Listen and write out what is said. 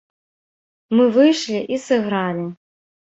Мы выйшлі і сыгралі.